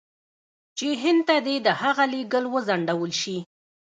چې هند ته دې د هغه لېږل وځنډول شي.